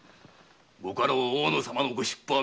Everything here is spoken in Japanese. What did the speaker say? ご家老・大野様のご出府は明日。